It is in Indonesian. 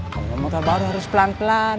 kalau motor baru harus pelan pelan